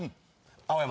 青山。